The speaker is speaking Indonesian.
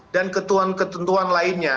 dan ketentuan ketentuan lainnya